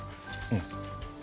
うん。